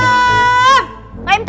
tukang pijit nyasar